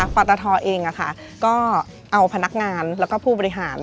ปราธาทอล์เองก็เอาพนักงานและผู้บริหาร